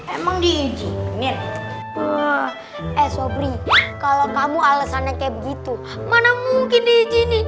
emang diinjil menit eh sobri kalau kamu alesannya kayak gitu mana mungkin di sini